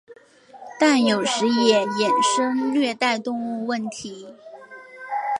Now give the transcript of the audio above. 但有时也衍生虐待动物问题。